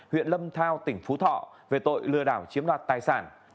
huyện lâm thao tỉnh phú thọ về tội lừa đảo chiếm đoạt tài sản